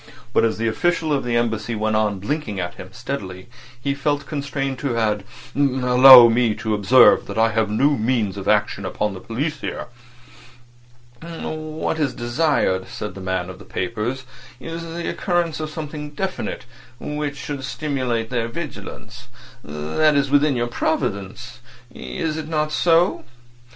But as the official of the Embassy went on blinking at him steadily he felt constrained to add: "Allow me to observe that I have no means of action upon the police here." "What is desired," said the man of papers, "is the occurrence of something definite which should stimulate their vigilance. That is within your province—is it not so?"